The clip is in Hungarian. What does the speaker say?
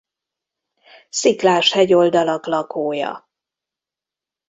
Sziklás hegyoldalak lakója.